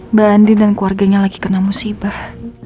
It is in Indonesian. mbak andi dan keluarganya lagi kena musibah